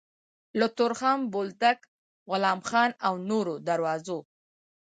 له تورخم، بولدک، غلام خان او نورو دروازو